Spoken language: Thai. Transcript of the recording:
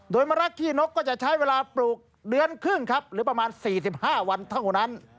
โดยมะรักขี้นกก็จะใช้เวลาปลูกเดือนครึ่งครับหรือประมาณ๔๕วันเท่านั้น